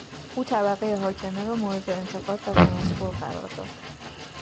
او طبقهی حاکمه را مورد انتقاد و تمسخر قرار داد.